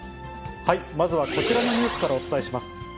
まずはこちらのニュースからお伝えします。